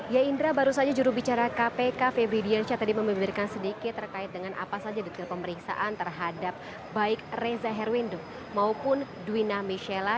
ya indra baru saja jurubicara kpk febri diansyah tadi membeberkan sedikit terkait dengan apa saja detail pemeriksaan terhadap baik reza herwindo maupun duwina michela